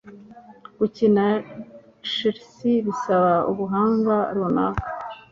Gukina chess bisaba ubuhanga runaka.